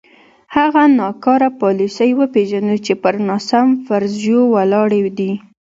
هغه ناکاره پالیسۍ وپېژنو چې پر ناسم فرضیو ولاړې دي.